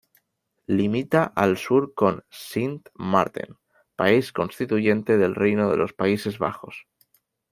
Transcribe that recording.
Limita al sur con Sint Maarten, país constituyente del Reino de los Países Bajos.